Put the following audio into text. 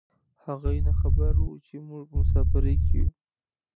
هغوی نه خبر و چې موږ په مسافرۍ کې یو.